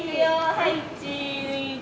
はいチーズ。